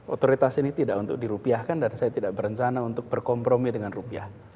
otoritas ini tidak untuk dirupiahkan dan saya tidak berencana untuk berkompromi dengan rupiah